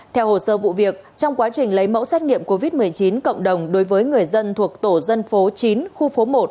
theo hồ sơ vụ việc trong quá trình lấy mẫu xét nghiệm covid một mươi chín cộng đồng đối với người dân thuộc tổ dân phố chín khu phố một